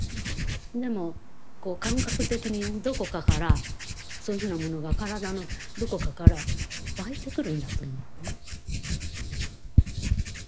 でも感覚的にどこかからそういうふうなものが体のどこかから湧いてくるんだと思うのね。